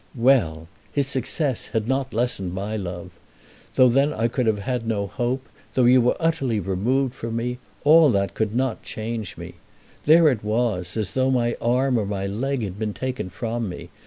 "Well! His success had not lessened my love. Though then I could have no hope, though you were utterly removed from me, all that could not change me. There it was, as though my arm or my leg had been taken from me.